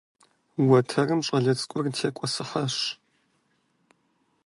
Уэтэрым щӀалэ цӀыкӀур текӀуэсыкӀащ.